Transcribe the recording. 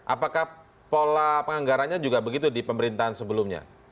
apakah pola penganggarannya juga begitu di pemerintahan sebelumnya